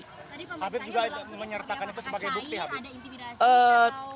tapi juga menyertakan itu sebagai bukti